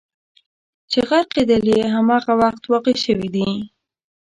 چې غرقېدل یې همغه وخت واقع شوي دي.